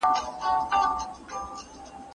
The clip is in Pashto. ډېر پخوا په ولايت کي د تاتارو